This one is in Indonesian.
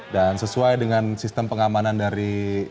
sesuai dengan sistem pengamanan dari